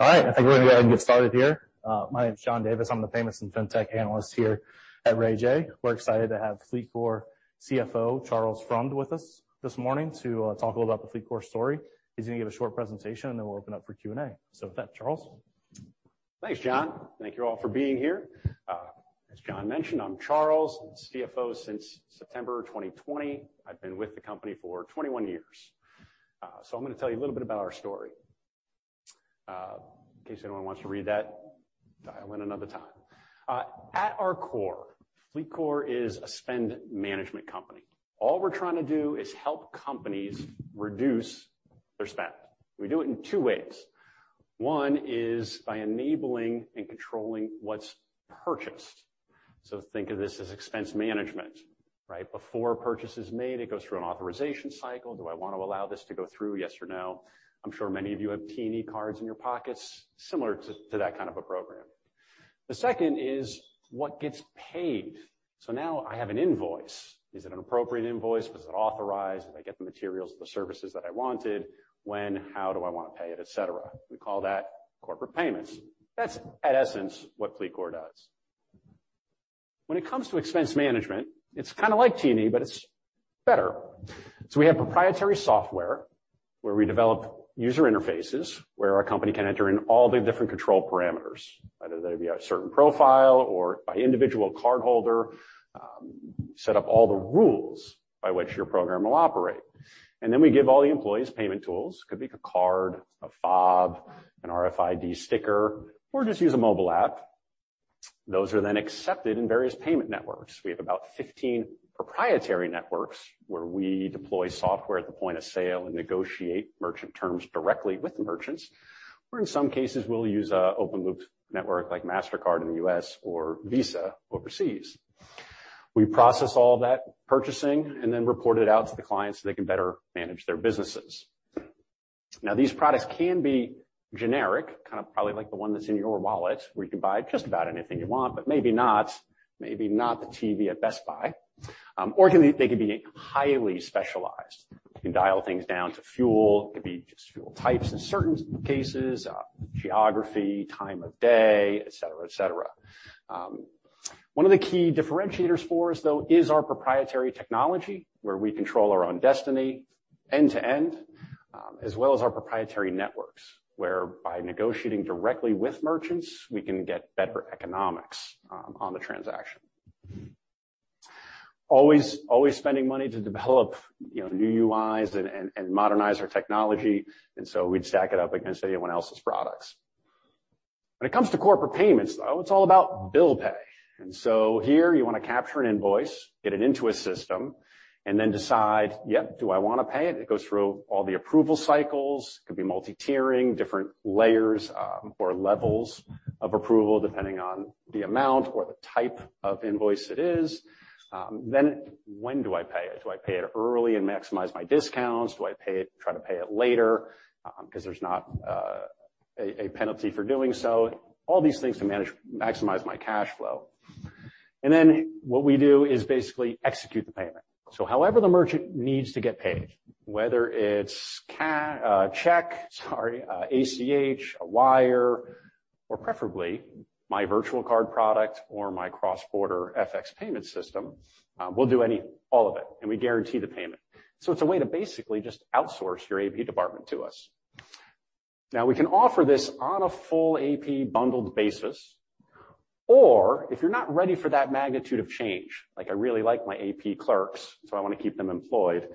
All right, I think we're gonna go ahead and get started here. My name is John Davis. I'm the payments fintech analyst here at Raymond James. We're excited to have FLEETCOR CFO, Charles Freund, with us this morning to talk a little about the FLEETCOR story. He's gonna give a short presentation, and then we'll open up for Q&A. With that, Charles. Thanks, John. Thank you all for being here. As John mentioned, I'm Charles, CFO since September 2020. I've been with the company for 21 years. I'm gonna tell you a little bit about our story. In case anyone wants to read that, dial in another time. At our core, FLEETCOR is a spend management company. All we're trying to do is help companies reduce their spend. We do it in two ways. One is by enabling and controlling what's purchased. Think of this as expense management, right? Before a purchase is made, it goes through an authorization cycle. Do I want to allow this to go through, yes or no? I'm sure many of you have T&E cards in your pockets similar to that kind of a program. The second is what gets paid. Now I have an invoice. Is it an appropriate invoice? Was it authorized? Did I get the materials, the services that I wanted? When, how do I want to pay it, et cetera. We call that Corporate Payments. That's at essence what FLEETCOR does. When it comes to expense management, it's kinda like T&E, but it's better. We have proprietary software where we develop user interfaces where our company can enter in all the different control parameters, whether they be a certain profile or by individual cardholder, set up all the rules by which your program will operate. We give all the employees payment tools. It could be a card, a fob, an RFID sticker, or just use a mobile app. Those are then accepted in various payment networks. We have about 15 proprietary networks where we deploy software at the point of sale and negotiate merchant terms directly with the merchants. In some cases, we'll use an open-loop network like Mastercard in the U.S. or Visa overseas. We process all that purchasing and then report it out to the clients so they can better manage their businesses. Now, these products can be generic, kind of probably like the one that's in your wallet, where you can buy just about anything you want, but maybe not, maybe not the TV at Best Buy. Or they can be highly specialized. You can dial things down to fuel. It could be just fuel types in certain cases, geography, time of day, et cetera, et cetera. One of the key differentiators for us, though, is our proprietary technology, where we control our own destiny end-to-end, as well as our proprietary networks, where by negotiating directly with merchants, we can get better economics on the transaction. Always spending money to develop, you know, new UIs and modernize our technology, and so we'd stack it up against anyone else's products. When it comes to corporate payments, though, it's all about bill pay. Here you want to capture an invoice, get it into a system, and then decide, yep, do I want to pay it? It goes through all the approval cycles. It could be multi-tiering, different layers or levels of approval, depending on the amount or the type of invoice it is. When do I pay it? Do I pay it early and maximize my discounts? Do I try to pay it later? 'Cause there's not a penalty for doing so. All these things to maximize my cash flow. What we do is basically execute the payment. However the merchant needs to get paid, whether it's check, sorry, ACH, a wire, or preferably my virtual card product or my cross-border FX payment system, we'll do any, all of it, and we guarantee the payment. It's a way to basically just outsource your AP department to us. Now, we can offer this on a full AP bundled basis, or if you're not ready for that magnitude of change, like I really like my AP clerks, so I want to keep them employed,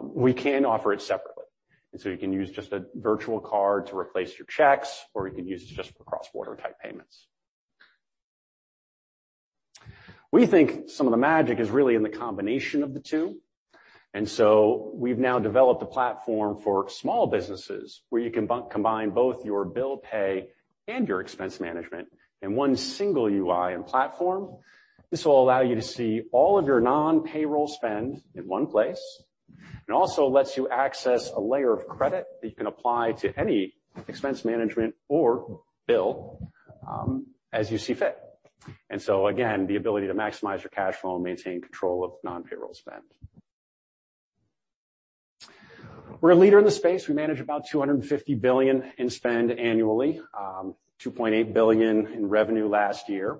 we can offer it separately. You can use just a virtual card to replace your checks, or you can use it just for cross-border type payments. We think some of the magic is really in the combination of the two. We've now developed a platform for small businesses where you can combine both your bill pay and your expense management in one single UI and platform. This will allow you to see all of your non-payroll spend in one place. It also lets you access a layer of credit that you can apply to any expense management or bill, as you see fit. The ability to maximize your cash flow and maintain control of non-payroll spend. We're a leader in the space. We manage about $250 billion in spend annually, $2.8 billion in revenue last year.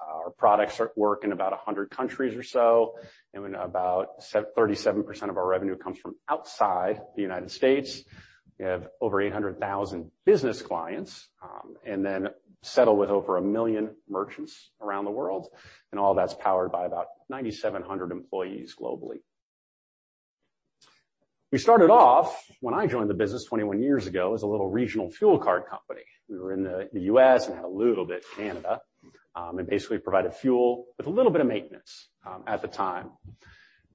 Our products work in about 100 countries or so, and about 37% of our revenue comes from outside the United States. We have over 800,000 business clients, and then settle with over 1 million merchants around the world. All that's powered by about 9,700 employees globally. We started off, when I joined the business 21 years ago, as a little regional fuel card company. We were in the U.S. and had a little bit in Canada, and basically provided fuel with a little bit of maintenance at the time.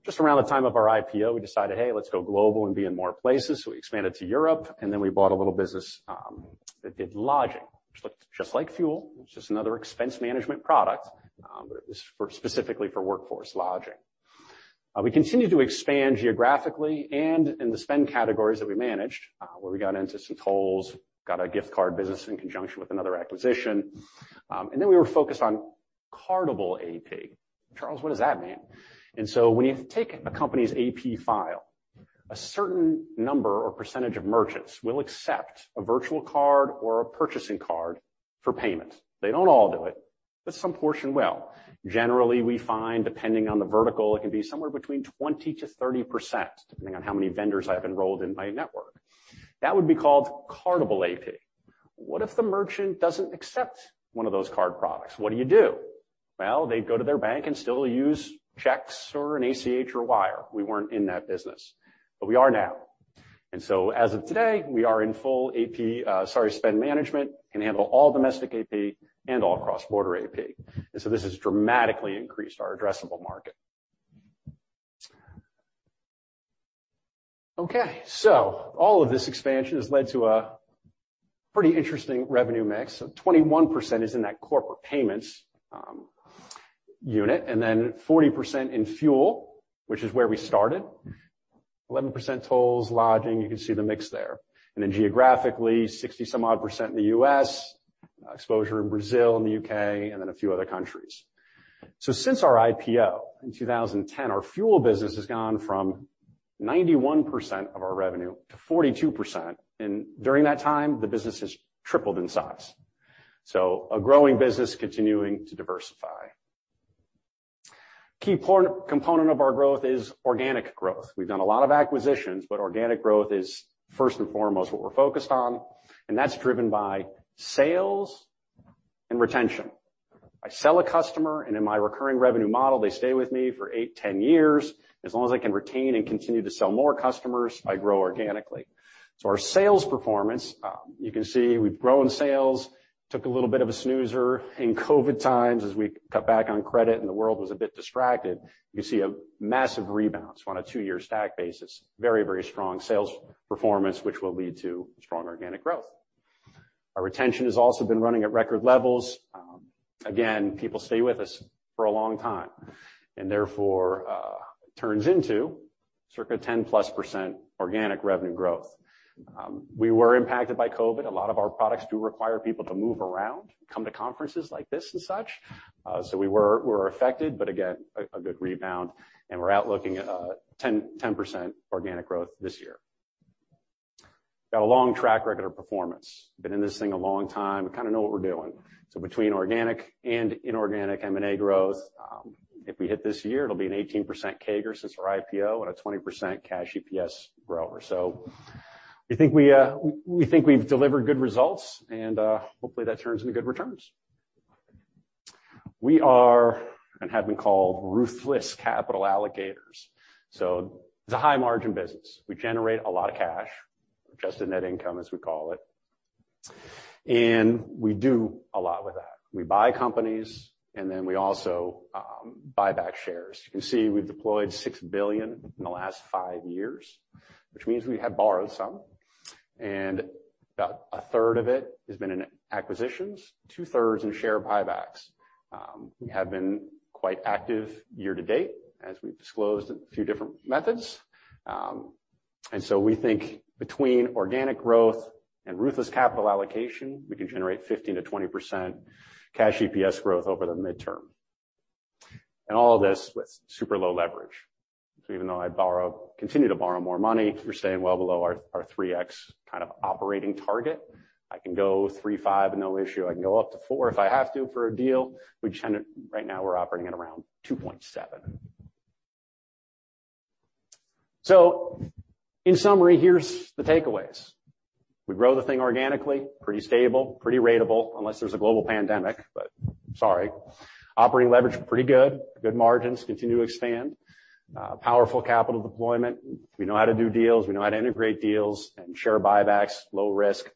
Just around the time of our IPO, we decided, hey, let's go global and be in more places, so we expanded to Europe, and then we bought a little business that did lodging, which looked just like fuel. It was just another expense management product, but it was for specifically for workforce lodging. We continued to expand geographically and in the spend categories that we managed, where we got into some tolls, got a gift card business in conjunction with another acquisition. We were focused on cardable AP. Charles, what does that mean? When you take a company's AP file, a certain number or percentage of merchants will accept a virtual card or a purchasing card for payment. They don't all do it, but some portion will. Generally, we find, depending on the vertical, it can be somewhere between 20%-30%, depending on how many vendors I have enrolled in my network. That would be called cardable AP. What if the merchant doesn't accept one of those card products? What do you do? Well, they'd go to their bank and still use checks or an ACH or wire. We weren't in that business, but we are now. As of today, we are in full AP, spend management, can handle all domestic AP and all cross-border AP. This has dramatically increased our addressable market. Okay, all of this expansion has led to a pretty interesting revenue mix. 21% is in that Corporate Payments unit, and then 40% in fuel, which is where we started. 11% tolls, lodging, you can see the mix there. Geographically, 60-some-odd percent in the U.S., exposure in Brazil and the U.K., and then a few other countries. Since our IPO in 2010, our fuel business has gone from 91% of our revenue to 42%. During that time, the business has tripled in size. A growing business continuing to diversify. Key component of our growth is organic growth. We've done a lot of acquisitions, but organic growth is first and foremost what we're focused on, and that's driven by sales and retention. I sell a customer, and in my recurring revenue model, they stay with me for eight, 10 years. As long as I can retain and continue to sell more customers, I grow organically. Our sales performance, you can see we've grown sales. Took a little bit of a snoozer in COVID times as we cut back on credit, and the world was a bit distracted. You see a massive rebalance on a two-year stack basis. Very, very strong sales performance, which will lead to strong organic growth. Our retention has also been running at record levels. Again, people stay with us for a long time, and therefore turns into circa 10%+ organic revenue growth. We were impacted by COVID. A lot of our products do require people to move around, come to conferences like this and such. We were affected, but again, a good rebound, and we're looking at 10% organic growth this year. Got a long track record of performance. Been in this thing a long time. We kinda know what we're doing. Between organic and inorganic M&A growth, if we hit this year, it'll be an 18% CAGR since our IPO and a 20% cash EPS grower. We think we've delivered good results, and hopefully that turns into good returns. We are and have been called ruthless capital allocators. It's a high-margin business. We generate a lot of cash, adjusted net income, as we call it, and we do a lot with that. We buy companies, and then we also buy back shares. You can see we've deployed $6 billion in the last five years, which means we have borrowed some, and about a third of it has been in acquisitions, two-thirds in share buybacks. We have been quite active year-to-date, as we've disclosed a few different methods. We think between organic growth and ruthless capital allocation, we can generate 15%-20% cash EPS growth over the midterm. All of this with super low leverage. Even though I continue to borrow more money, we're staying well below our 3x operating target. I can go 3, 5, and no issue. I can go up to four if I have to for a deal. Right now we're operating at around 2.7. In summary, here's the takeaways. We grow the thing organically, pretty stable, pretty ratable, unless there's a global pandemic. But sorry. Operating leverage, pretty good. Good margins continue to expand. Powerful capital deployment. We know how to do deals, we know how to integrate deals and share buybacks, low risk.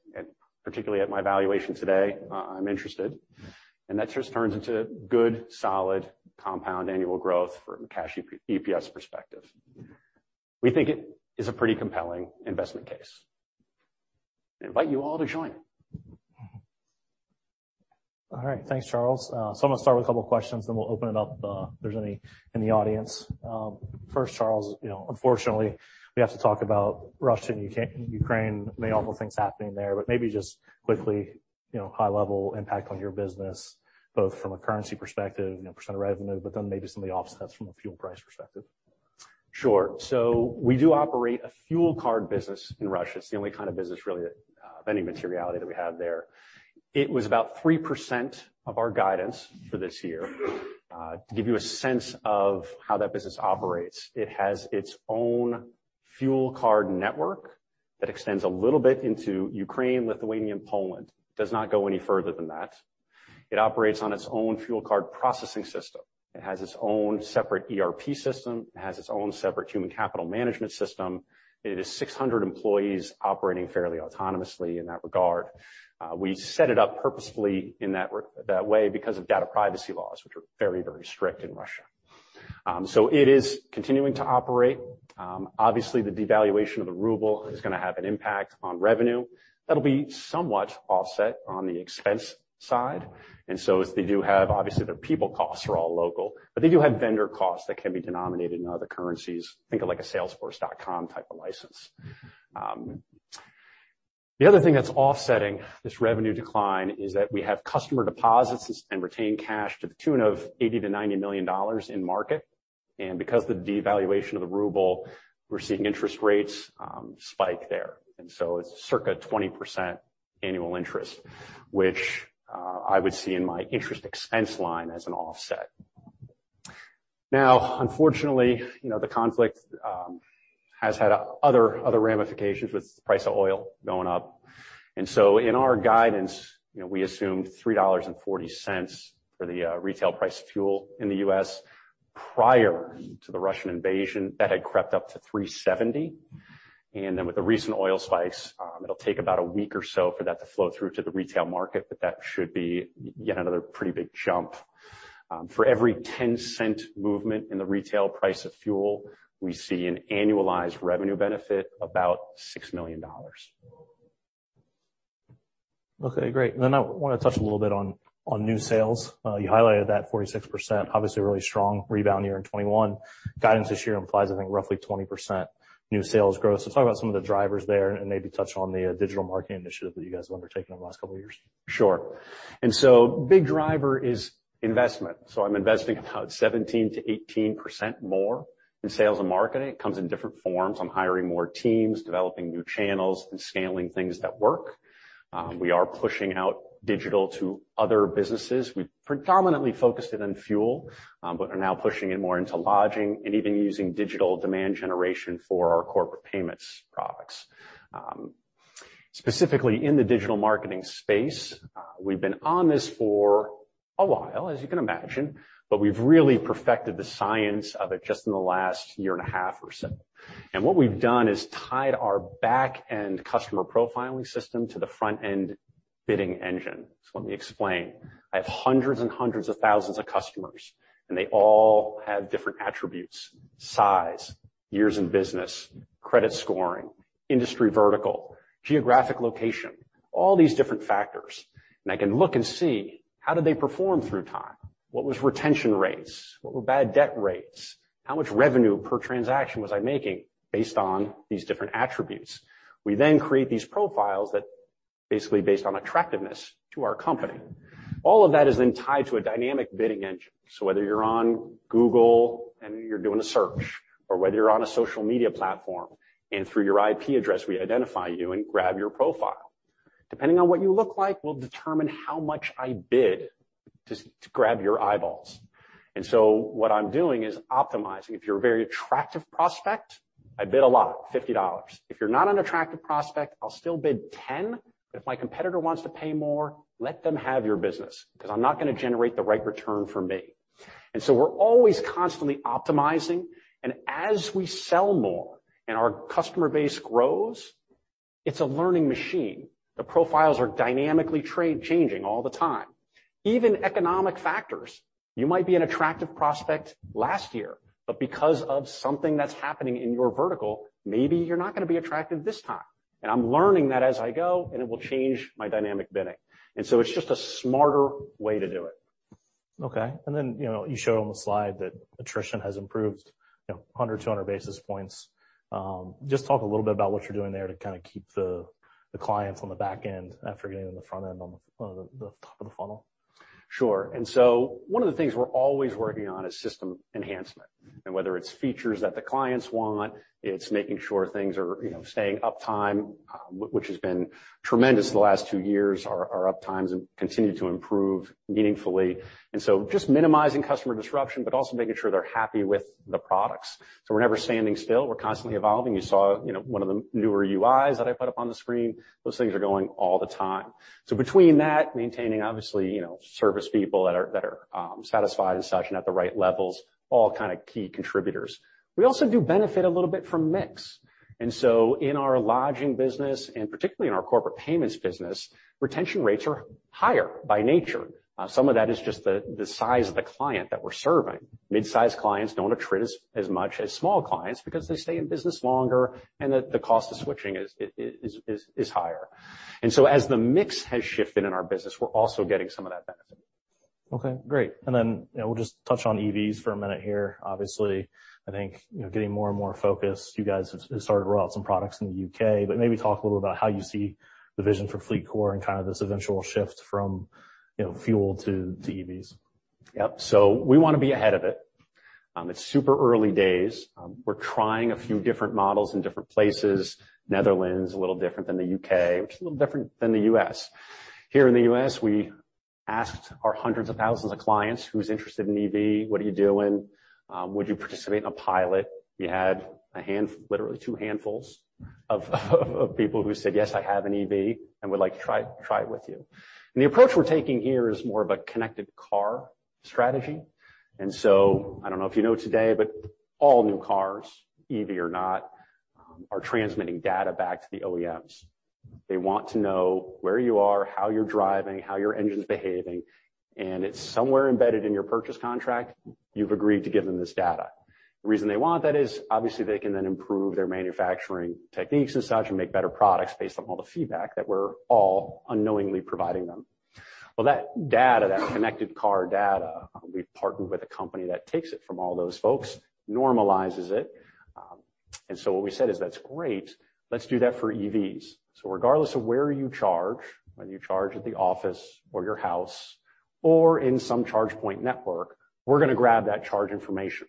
Particularly at my valuation today, I'm interested. That just turns into good, solid compound annual growth from a cash EPS perspective. We think it is a pretty compelling investment case. Invite you all to join. All right. Thanks, Charles. So I'm gonna start with a couple of questions, then we'll open it up if there's any in the audience. First, Charles, you know, unfortunately, we have to talk about Russia and Ukraine and the awful things happening there, but maybe just quickly, you know, high level impact on your business, both from a currency perspective, you know, percent of revenue, but then maybe some of the offsets from a fuel price perspective. We do operate a fuel card business in Russia. It's the only kind of business really of any materiality that we have there. It was about 3% of our guidance for this year. To give you a sense of how that business operates, it has its own fuel card network that extends a little bit into Ukraine, Lithuania, and Poland. Does not go any further than that. It operates on its own fuel card processing system. It has its own separate ERP system. It has its own separate human capital management system. It is 600 employees operating fairly autonomously in that regard. We set it up purposefully in that way because of data privacy laws, which are very, very strict in Russia. It is continuing to operate. Obviously the devaluation of the ruble is gonna have an impact on revenue. That'll be somewhat offset on the expense side. Obviously, their people costs are all local, but they do have vendor costs that can be denominated in other currencies. Think of like a Salesforce type of license. The other thing that's offsetting this revenue decline is that we have customer deposits and retained cash to the tune of $80 million-$90 million in market. Because of the devaluation of the ruble, we're seeing interest rates spike there. It's circa 20% annual interest, which I would see in my interest expense line as an offset. Now, unfortunately, you know, the conflict has had other ramifications with the price of oil going up. In our guidance, you know, we assumed $3.40 for the retail price of fuel in the U.S. Prior to the Russian invasion, that had crept up to $3.70. Then with the recent oil spikes, it'll take about a week or so for that to flow through to the retail market, but that should be yet another pretty big jump. For every 10-cent movement in the retail price of fuel, we see an annualized revenue benefit about $6 million. Okay, great. I wanna touch a little bit on new sales. You highlighted that 46%, obviously a really strong rebound year in 2021. Guidance this year implies, I think, roughly 20% new sales growth. Talk about some of the drivers there and maybe touch on the digital marketing initiative that you guys have undertaken over the last couple of years. Sure. Big driver is investment. I'm investing about 17%-18% more in sales and marketing. It comes in different forms. I'm hiring more teams, developing new channels, and scaling things that work. We are pushing out digital to other businesses. We predominantly focused it on fuel, but are now pushing it more into lodging and even using digital demand generation for our Corporate Payments products. Specifically in the digital marketing space, we've been on this for a while, as you can imagine, but we've really perfected the science of it just in the last year and a half or so. What we've done is tied our back-end customer profiling system to the front-end bidding engine. Let me explain. I have hundreds and hundreds of thousands of customers, and they all have different attributes, size, years in business, credit scoring, industry vertical, geographic location, all these different factors. I can look and see how did they perform through time? What was retention rates? What were bad debt rates? How much revenue per transaction was I making based on these different attributes? We then create these profiles that are basically based on attractiveness to our company. All of that is then tied to a dynamic bidding engine. Whether you're on Google and you're doing a search or whether you're on a social media platform and through your IP address, we identify you and grab your profile. Depending on what you look like, we'll determine how much I bid to grab your eyeballs. What I'm doing is optimizing. If you're a very attractive prospect, I bid a lot, $50. If you're not an attractive prospect, I'll still bid $10. If my competitor wants to pay more, let them have your business 'cause I'm not gonna generate the right return for me. We're always constantly optimizing. As we sell more and our customer base grows, it's a learning machine. The profiles are dynamically changing all the time. Even economic factors, you might be an attractive prospect last year, but because of something that's happening in your vertical, maybe you're not gonna be attractive this time. I'm learning that as I go, and it will change my dynamic bidding. It's just a smarter way to do it. Okay. You know, you show on the slide that attrition has improved, you know, 100-200 basis points. Just talk a little bit about what you're doing there to kinda keep the clients on the back end after getting in the front end on the top of the funnel. Sure. One of the things we're always working on is system enhancement and whether it's features that the clients want, it's making sure things are, you know, staying uptime, which has been tremendous the last two years. Our uptimes have continued to improve meaningfully. Just minimizing customer disruption, but also making sure they're happy with the products. We're never standing still. We're constantly evolving. You saw, you know, one of the newer UIs that I put up on the screen. Those things are going all the time. Between that, maintaining obviously, you know, service people that are satisfied and such and at the right levels, all kinda key contributors. We also do benefit a little bit from mix. In our lodging business, and particularly in our Corporate Payments business, retention rates are higher by nature. Some of that is just the size of the client that we're serving. Mid-sized clients don't attrit as much as small clients because they stay in business longer and the cost of switching is higher. As the mix has shifted in our business, we're also getting some of that benefit. Okay, great. Then, you know, we'll just touch on EVs for a minute here. Obviously, I think, you know, getting more and more focused. You guys have started to roll out some products in the U.K., but maybe talk a little about how you see the vision for FleetCor and kind of this eventual shift from, you know, fuel to EVs. Yep. We wanna be ahead of it. It's super early days. We're trying a few different models in different places. Netherlands, a little different than the U.K., which is a little different than the U.S. Here in the U.S., we asked our hundreds of thousands of clients, who's interested in EV? What are you doing? Would you participate in a pilot? We had literally two handfuls of people who said, "Yes, I have an EV and would like to try it with you." The approach we're taking here is more of a connected car strategy. I don't know if you know today, but all new cars, EV or not, are transmitting data back to the OEMs. They want to know where you are, how you're driving, how your engine's behaving, and it's somewhere embedded in your purchase contract. You've agreed to give them this data. The reason they want that is obviously they can then improve their manufacturing techniques and such and make better products based on all the feedback that we're all unknowingly providing them. Well, that data, that connected car data, we've partnered with a company that takes it from all those folks, normalizes it. What we said is, "That's great. Let's do that for EVs." Regardless of where you charge, whether you charge at the office or your house or in some ChargePoint network, we're gonna grab that charge information.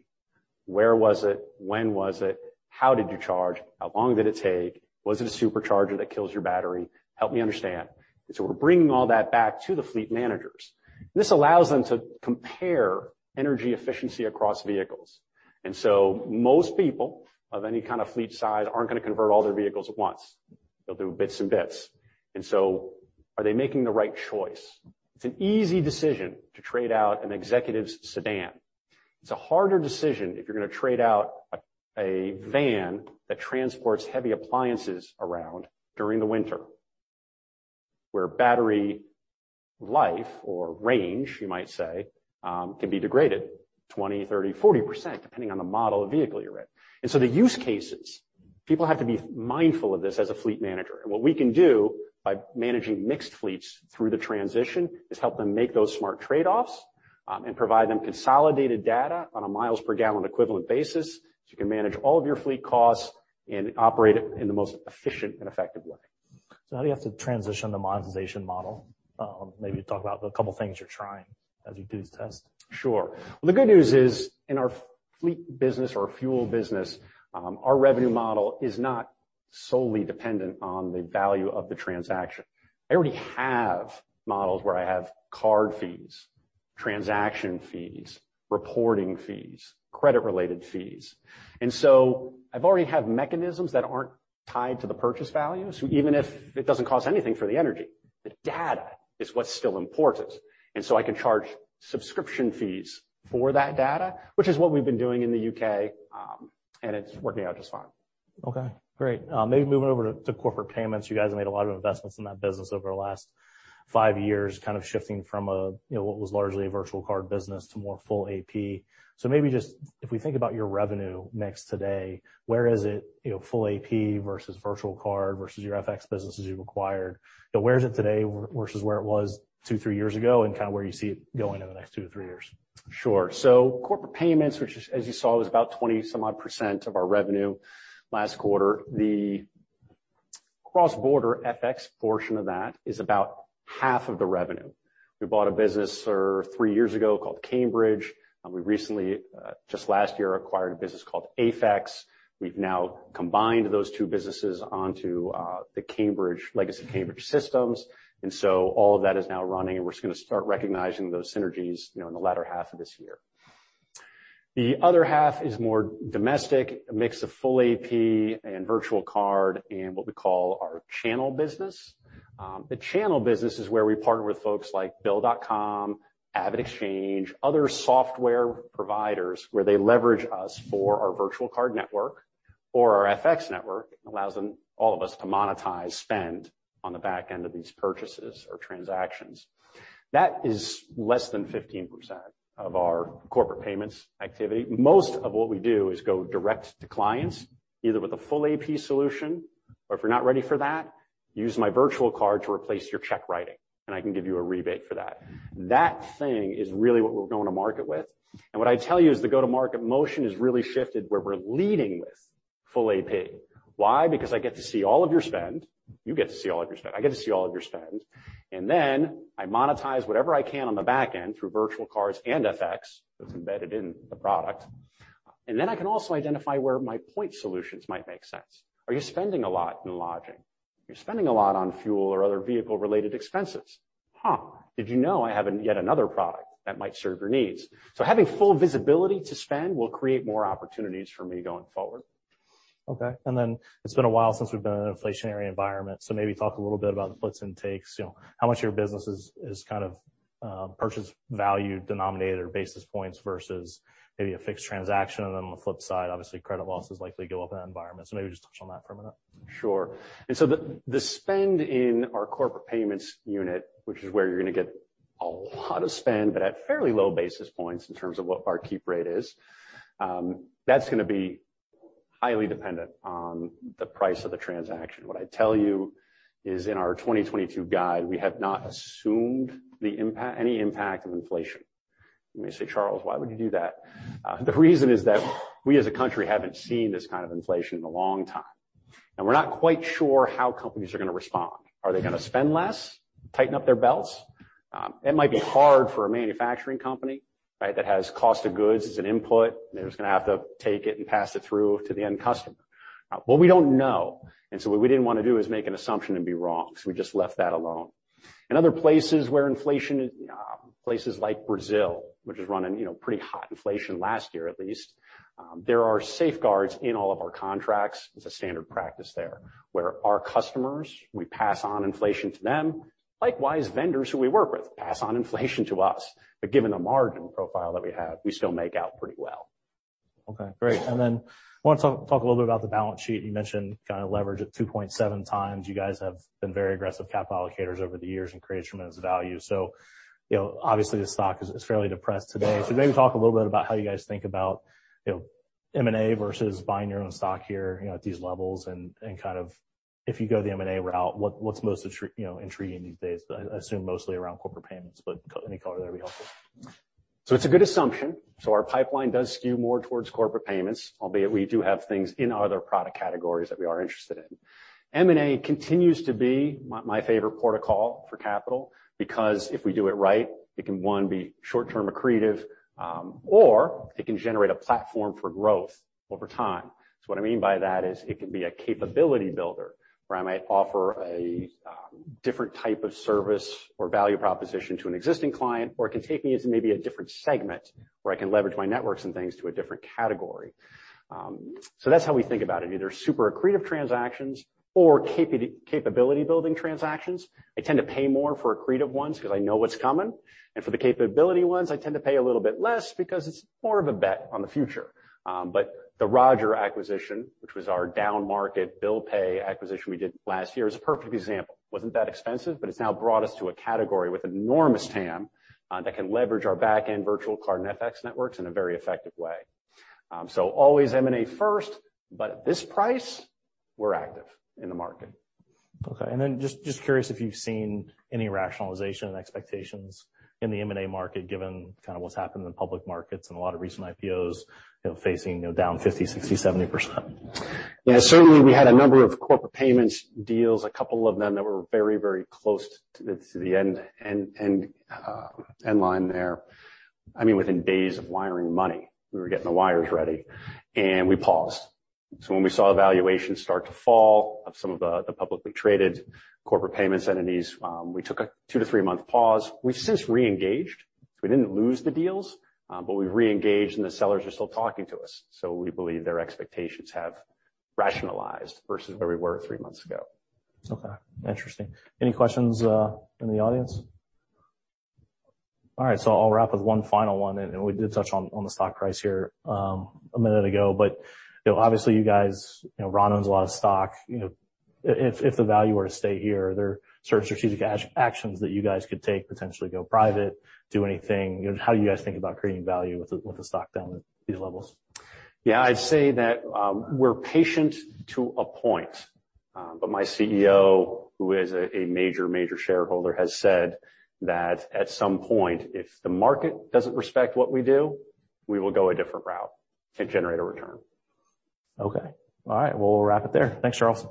Where was it? When was it? How did you charge? How long did it take? Was it a supercharger that kills your battery? Help me understand. We're bringing all that back to the fleet managers. This allows them to compare energy efficiency across vehicles. Most people of any kind of fleet size aren't gonna convert all their vehicles at once. They'll do bits and bits. Are they making the right choice? It's an easy decision to trade out an executive's sedan. It's a harder decision if you're gonna trade out a van that transports heavy appliances around during the winter, where battery life or range, you might say, can be degraded 20, 30, 40%, depending on the model of vehicle you rent. The use cases, people have to be mindful of this as a fleet manager. What we can do by managing mixed fleets through the transition is help them make those smart trade-offs, and provide them consolidated data on a miles-per-gallon equivalent basis, so you can manage all of your fleet costs and operate it in the most efficient and effective way. How do you have to transition the monetization model? Maybe talk about the couple of things you're trying as you do this test. Sure. Well, the good news is, in our fleet business or fuel business, our revenue model is not solely dependent on the value of the transaction. I already have models where I have card fees, transaction fees, reporting fees, credit-related fees, and so I already have mechanisms that aren't tied to the purchase value. Even if it doesn't cost anything for the energy, the data is what's still important. I can charge subscription fees for that data, which is what we've been doing in the U.K., and it's working out just fine. Okay, great. Maybe moving over to corporate payments. You guys have made a lot of investments in that business over the last five years, kind of shifting from a you know what was largely a virtual card business to more full AP. Maybe just if we think about your revenue mix today, where is it you know full AP versus virtual card versus your FX businesses you've acquired? You know, where is it today versus where it was two three years ago and kinda where you see it going in the next two to three years? Sure. Corporate Payments, which is as you saw, was about 20-some-odd% of our revenue last quarter. The cross-border FX portion of that is about half of the revenue. We bought a business about three years ago called Cambridge. We recently just last year acquired a business called AFEX. We've now combined those two businesses onto the Cambridge legacy, Cambridge systems. All of that is now running, and we're just gonna start recognizing those synergies, you know, in the latter half of this year. The other half is more domestic, a mix of full AP and virtual card and what we call our channel business. The channel business is where we partner with folks like Bill.com, AvidXchange, other software providers where they leverage us for our virtual card network or our FX network. It allows them, all of us to monetize spend on the back end of these purchases or transactions. That is less than 15% of our Corporate Payments activity. Most of what we do is go direct to clients, either with a full AP solution, or if you're not ready for that, use my virtual card to replace your check writing, and I can give you a rebate for that. That thing is really what we're going to market with. What I tell you is the go-to-market motion has really shifted where we're leading with full AP. Why? Because I get to see all of your spend. You get to see all of your spend. I get to see all of your spend. Then I monetize whatever I can on the back end through virtual cards and FX that's embedded in the product. I can also identify where my point solutions might make sense. Are you spending a lot in lodging? Are you spending a lot on fuel or other vehicle-related expenses? Did you know I have yet another product that might serve your needs? Having full visibility to spend will create more opportunities for me going forward. Okay. It's been a while since we've been in an inflationary environment. Maybe talk a little bit about the puts and takes, you know, how much of your business is kind of purchase value denominator basis points versus maybe a fixed transaction. On the flip side, obviously, credit losses likely go up in that environment. Maybe just touch on that for a minute. Sure. The spend in our Corporate Payments unit, which is where you're gonna get a lot of spend but at fairly low basis points in terms of what our keep rate is, that's gonna be highly dependent on the price of the transaction. What I tell you is in our 2022 guide, we have not assumed any impact of inflation. You may say, "Charles, why would you do that?" The reason is that we as a country haven't seen this kind of inflation in a long time, and we're not quite sure how companies are gonna respond. Are they gonna spend less, tighten up their belts? It might be hard for a manufacturing company, right, that has cost of goods as an input, and they're just gonna have to take it and pass it through to the end customer. What we don't know, and so what we didn't wanna do is make an assumption and be wrong, so we just left that alone. In other places where inflation is, places like Brazil, which was running, you know, pretty hot inflation last year, at least, there are safeguards in all of our contracts. It's a standard practice there, where our customers, we pass on inflation to them. Likewise, vendors who we work with pass on inflation to us. But given the margin profile that we have, we still make out pretty well. Okay, great. Then I want to talk a little bit about the balance sheet. You mentioned kinda leverage at 2.7 times. You guys have been very aggressive capital allocators over the years and created tremendous value. You know, obviously, the stock is fairly depressed today. Maybe talk a little bit about how you guys think about, you know, M&A versus buying your own stock here, you know, at these levels and kind of if you go the M&A route, what's most intriguing these days? I assume mostly around Corporate Payments, but any color there would be helpful. It's a good assumption. Our pipeline does skew more towards Corporate Payments, albeit we do have things in other product categories that we are interested in. M&A continues to be my favorite port of call for capital because if we do it right, it can, one, be short-term accretive, or it can generate a platform for growth over time. What I mean by that is it can be a capability builder where I might offer a different type of service or value proposition to an existing client, or it can take me into maybe a different segment where I can leverage my networks and things to a different category. That's how we think about it, either super accretive transactions or capability building transactions. I tend to pay more for accretive ones because I know what's coming. For the capability ones, I tend to pay a little bit less because it's more of a bet on the future. The Roger acquisition, which was our downmarket bill pay acquisition we did last year, is a perfect example. Wasn't that expensive, but it's now brought us to a category with enormous TAM that can leverage our back-end virtual card and FX networks in a very effective way. Always M&A first, but at this price, we're active in the market. Okay. Just curious if you've seen any rationalization of expectations in the M&A market, given kind of what's happened in the public markets and a lot of recent IPOs, you know, facing, you know, down 50, 60, 70%? Certainly, we had a number of corporate payments deals, a couple of them that were very, very close to the deadline there. I mean, within days of wiring money, we were getting the wires ready, and we paused. When we saw valuations start to fall off some of the publicly traded Corporate Payments entities, we took a 2-3-month pause. We've since re-engaged. We didn't lose the deals, but we've re-engaged, and the sellers are still talking to us. We believe their expectations have rationalized versus where we were three months ago. Okay. Interesting. Any questions from the audience? All right. I'll wrap with one final one, and we did touch on the stock price here a minute ago. You know, obviously you guys, you know, Ron owns a lot of stock. You know, if the value were to stay here, are there certain strategic actions that you guys could take, potentially go private, do anything? How do you guys think about creating value with the stock down at these levels? Yeah, I'd say that, we're patient to a point, but my CEO, who is a major shareholder, has said that at some point, if the market doesn't respect what we do, we will go a different route and generate a return. Okay. All right. Well, we'll wrap it there. Thanks, Charles.